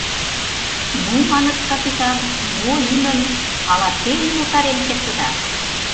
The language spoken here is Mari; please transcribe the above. — Ну, — маныт, — капитан, мо лиймым ала те умылтарен кертыда?